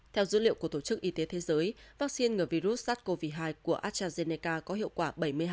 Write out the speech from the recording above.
theo dữ liệu của tổ chức y tế thế giới vaccine ngừa virus sars cov hai của astrazeneca có hiệu quả bảy mươi hai